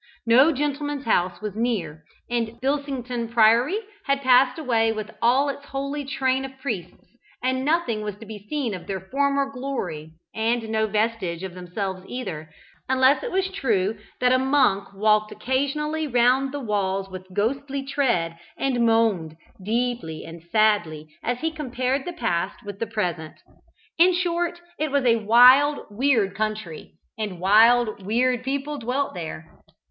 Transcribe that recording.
No gentleman's house was near, and Bilsington Priory had passed away with all its holy train of priests, and nothing was to be seen of their former glory, and no vestige of themselves either, unless it was true that a monk walked occasionally round the walls with ghostly tread, and moaned, deeply and sadly, as he compared the past with the present. In short, it was a wild, weird country, and wild, weird people dwelt there.